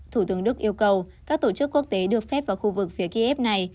thủ tướng đức yêu cầu các tổ chức quốc tế được phép vào khu vực phía kiev này